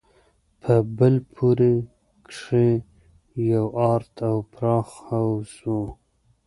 په بل پوړ کښې يو ارت او پراخ حوض و.